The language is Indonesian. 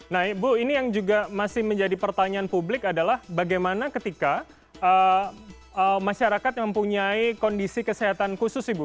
nah ibu ini yang juga masih menjadi pertanyaan publik adalah bagaimana ketika masyarakat mempunyai kondisi kesehatan khusus ibu